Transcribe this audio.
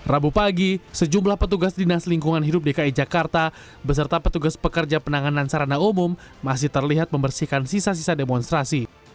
rabu pagi sejumlah petugas dinas lingkungan hidup dki jakarta beserta petugas pekerja penanganan sarana umum masih terlihat membersihkan sisa sisa demonstrasi